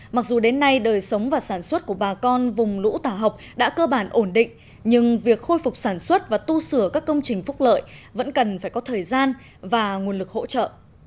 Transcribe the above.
mặc dù đến nay đời sống và sản xuất của bà con vùng lũ tà học đã cơ bản ổn định nhưng việc khôi phục sản xuất và tu sửa các công trình phúc lợi vẫn cần phải có thời gian và nguồn lực hỗ trợ